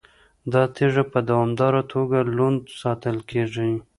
دا تیږه په دوامداره توګه لوند ساتل کیږي.